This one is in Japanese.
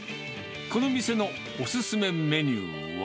この店のお勧めメニューは。